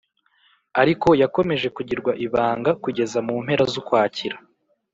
ariko yakomeje kugirwa ibanga kugeza mu mpera z'ukwakira.